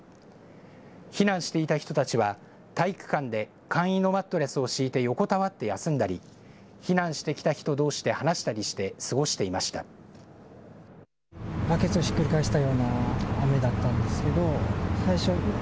避難していた人たちは体育館で簡易のマットレスを敷いて横たわって休んだり避難してきた人どうしで話したりして過ごしていました。